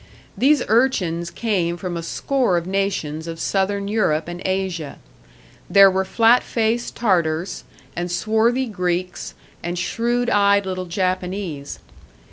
These urchins came from a score of nations of Southern Europe and Asia; there were flat faced Tartars and swarthy Greeks and shrewd eyed little Japanese.